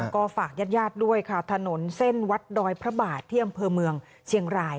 ก็ฝากญาติญาติด้วยค่ะถนนเส้นวัดดอยพระบาทที่อำเภอเมืองเชียงราย